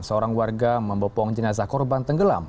seorang warga membopong jenazah korban tenggelam